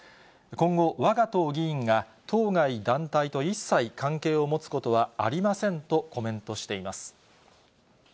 今後、わが党議員が、当該団体と一切関係を持つことはありませんとコメントしています。